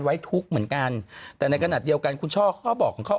ไว้ทุกข์เหมือนกันแต่ในขณะเดียวกันคุณช่อเขาก็บอกของเขา